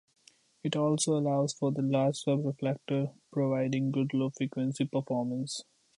It also allows for the large sub-reflector, providing good low frequency performance.